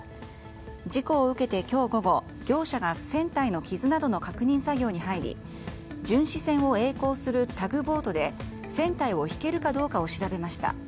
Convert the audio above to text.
事故を受けて今日午後業者が船体の傷などの確認作業に入り巡視船をえい航するタグボートで船体をひけるかどうかを調べました。